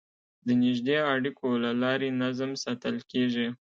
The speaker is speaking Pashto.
د نږدې اړیکو له لارې نظم ساتل کېږي.